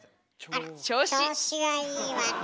あら調子がいいわね。